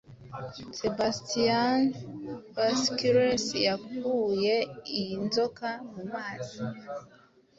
Sebastian Bascoules yakuye iyi nzoka mu mazi